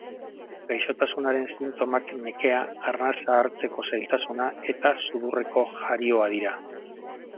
Gaixotasunaren sintomak nekea, arnasa hartzeko zailtasuna eta sudurreko jarioa dira.